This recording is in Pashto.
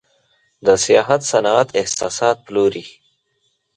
د سیاحت صنعت احساسات پلوري.